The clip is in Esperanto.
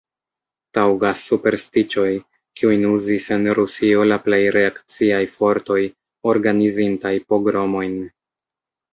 Taŭgas superstiĉoj, kiujn uzis en Rusio la plej reakciaj fortoj, organizintaj pogromojn.